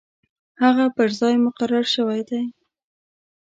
هغه پر ځای مقرر شوی دی.